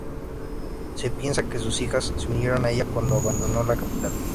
Se piensa que sus hijas se unieron a ella cuando abandonó la capital.